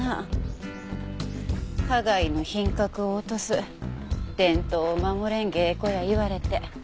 花街の品格を落とす伝統を守れん芸妓や言われて。